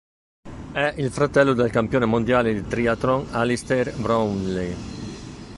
È il fratello del campione mondiale di triathlon Alistair Brownlee.